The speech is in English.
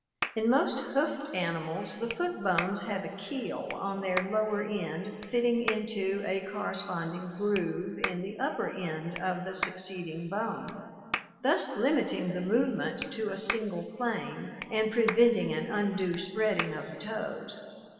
In most hoofed animals the foot bones have a keel on their lower end fitting into a corresponding groove in the upper end of the succeeding bone, thus limiting the movement to a single plane and preventing an undue spreading of the toes.